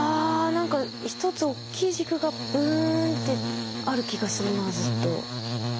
何か１つおっきい軸がブーンってある気がするなずっと。